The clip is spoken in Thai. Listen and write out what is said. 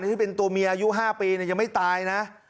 ที่เป็นตัวเมียอายุ๕ปียังไม่ตายนะ